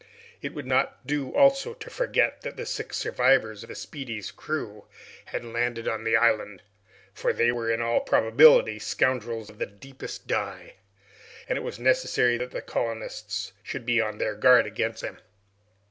It would not do also to forget that the six survivors of the "Speedy's" crew had landed on the island, for they were in all probability scoundrels of the deepest dye, and it was necessary that the colonists should be on their guard against them.